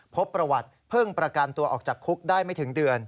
พบประวัติเพิ่งประกันตัวออกจากคุกได้ไม่ถึงเดือน